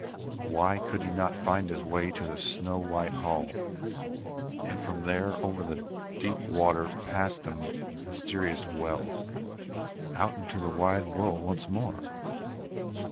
Why could he not find his way to the snow white hall, and from there, over the deep water, past the mysterious well, out into the wide world once more?